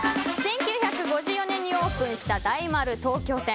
１９５４年にオープンした大丸東京店。